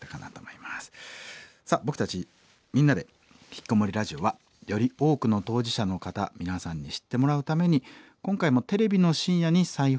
さあ僕たち「みんなでひきこもりラジオ」はより多くの当事者の方皆さんに知ってもらうために今回もテレビの深夜に再放送をいたします。